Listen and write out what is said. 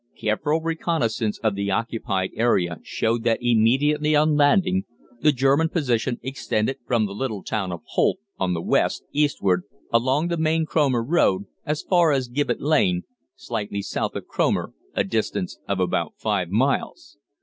Careful reconnaissance of the occupied area showed that immediately on landing, the German position extended from the little town of Holt, on the west, eastward, along the main Cromer road, as far as Gibbet Lane, slightly south of Cromer, a distance of about five miles.